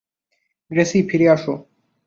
Gracie, ফিরে আসো।